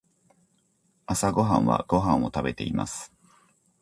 朝ごはんはご飯を食べています。